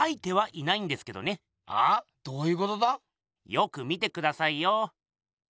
よく見てくださいよ。